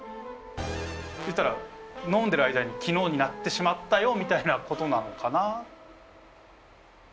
言ったら飲んでる間に昨日になってしまったよみたいなことなのかな？